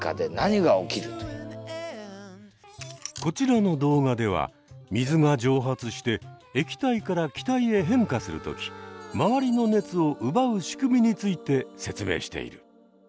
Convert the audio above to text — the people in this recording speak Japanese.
こちらの動画では水が蒸発して液体から気体へ変化するときまわりの熱を奪う仕組みについて説明している。